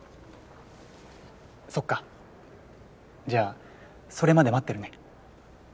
そっかじゃあそれまで待ってるね。